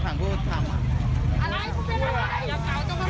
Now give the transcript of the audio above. ผมหางอันนี้